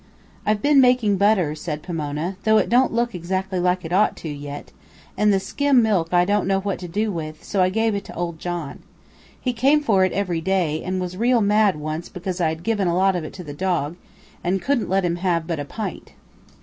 "I've been making butter," said Pomona, "though it don't look exactly like it ought to, yet, and the skim milk I didn't know what to do with, so I gave it to old John. He came for it every day, and was real mad once because I had given a lot of it to the dog, and couldn't let him have but a pint."